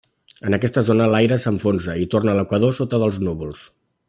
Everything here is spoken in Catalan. En aquesta zona l'aire s'enfonsa i torna a l'equador sota dels núvols.